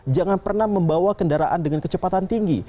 jangan pernah membawa kendaraan dengan kecepatan tinggi